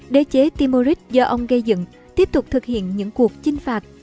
đế chế timorit do ông gây dựng tiếp tục thực hiện những cuộc chinh phạt